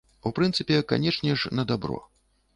У прынцыпе, канечне ж, на дабро.